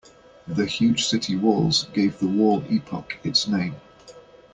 The huge city walls gave the wall epoch its name.